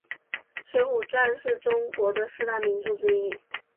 水浒传是中国的四大名著之一。